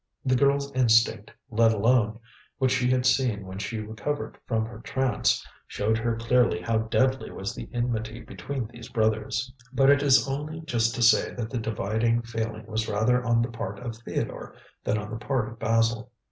The girl's instinct, let alone what she had seen when she recovered from her trance, showed her clearly how deadly was the enmity between these brothers. But it is only just to say that the dividing feeling was rather on the part of Theodore than on the part of Basil.